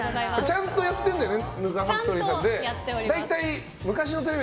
ちゃんとやってるんだよね